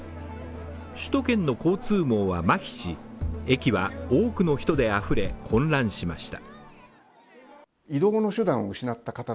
首都圏の交通網はまひし、駅は多くの人であふれ、混乱しました。